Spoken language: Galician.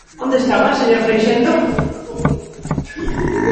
¿Onde estaban, señor Freixendo.